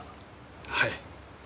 はい。